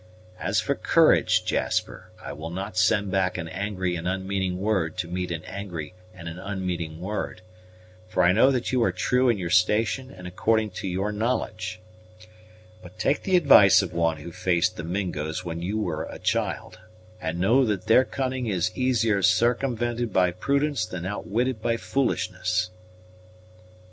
As for courage, Jasper, I will not send back an angry and unmeaning word to meet an angry and an unmeaning word; for I know that you are true in your station and according to your knowledge; but take the advice of one who faced the Mingos when you were a child, and know that their cunning is easier sarcumvented by prudence than outwitted by foolishness."